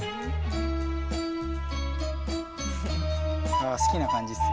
ああっ好きな感じっす。